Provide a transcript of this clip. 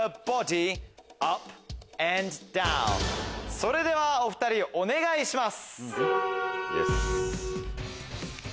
それではお２人お願いします！